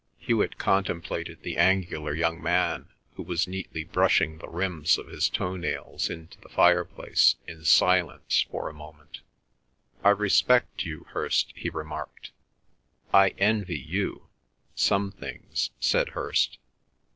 Hewet contemplated the angular young man who was neatly brushing the rims of his toe nails into the fire place in silence for a moment. "I respect you, Hirst," he remarked. "I envy you—some things," said Hirst.